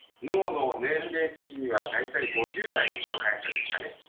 脳の年齢的には大体５０代の速さですかね。